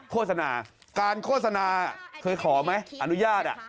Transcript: โฆษณาการโฆษณาเคยขอไหมอนุญาต